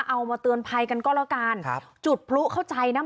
เอามาเตือนภัยกันก็แล้วกันครับจุดพลุเข้าใจนะ